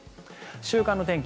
週間の天気。